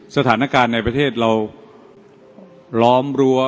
สถานการณ์ในประเทศเราล้อมรั้ว